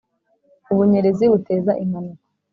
Ubunyereri buteza impanuka.